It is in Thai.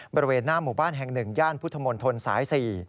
บริเวณหน้าหมู่บ้านแห่ง๑ย่านพุทธมนตรสาย๔